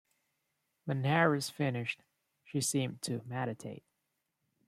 When Harris finished she seemed to meditate.